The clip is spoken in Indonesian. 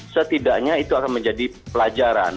setidaknya itu akan menjadi pelajaran